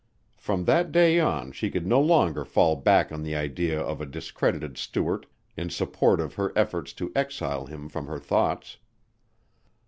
From that day on she could no longer fall back on the idea of a discredited Stuart in support of her efforts to exile him from her thoughts.